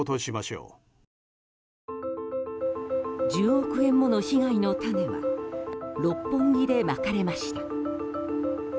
１０億円もの被害の種は六本木でまかれました。